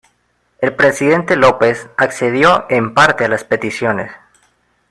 El presidente López accedió en parte a las peticiones.